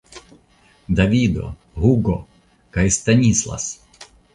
Davido, Hugo kaj Stanislas!